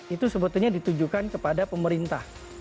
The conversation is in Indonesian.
itu sebetulnya ditujukan kepada pemerintah